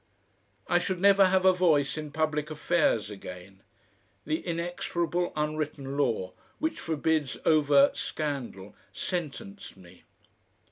I should never have a voice in public affairs again. The inexorable unwritten law which forbids overt scandal sentenced me.